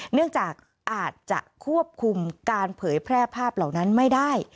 เนื่องจากอาจจะควบคุมการเผยแพร่ภาพเหล่านั้นไม่ได้